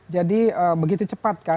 jadi begitu cepat kan